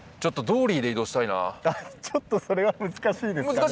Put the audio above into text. ちょっとそれは難しいですかね。